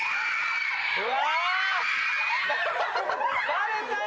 バレた！